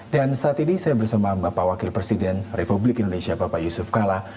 dan saat ini saya bersama bapak wakil presiden republik indonesia bapak yusuf kala